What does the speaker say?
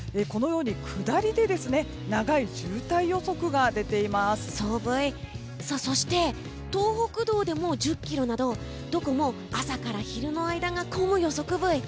下りで長い渋滞予測がそして東北道でも１０ｋｍなどどこも朝から昼の間が混む予測ブイ。